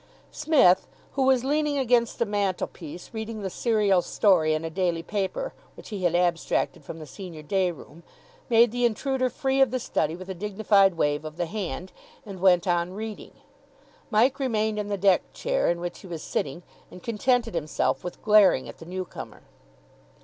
Psmith, who was leaning against the mantelpiece, reading the serial story in a daily paper which he had abstracted from the senior day room, made the intruder free of the study with a dignified wave of the hand, and went on reading. Mike remained in the deck chair in which he was sitting, and contented himself with glaring at the newcomer.